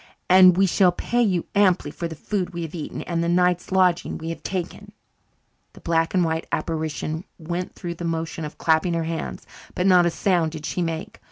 And we shall pay you amply for the food we have eaten and the night's lodging we have taken." The black and white apparition went through the motion of clapping her hands, but not a sound did she make.